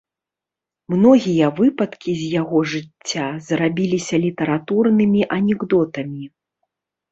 Многія выпадкі з яго жыцця зрабіліся літаратурнымі анекдотамі.